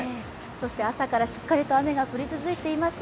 そして朝からしっかりと雨が降り続いています。